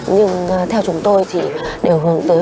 nhưng theo chúng tôi thì đều hướng tới